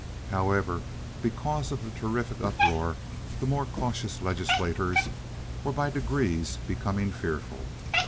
However, because of the terrific uproar the more cautious legislators were by degrees becoming fearful.